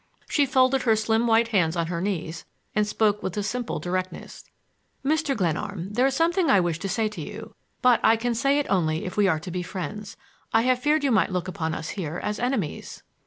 She folded her slim white hands on her knees and spoke with a simple directness. "Mr. Glenarm, there is something I wish to say to you, but I can say it only if we are to be friends. I have feared you might look upon us here as enemies."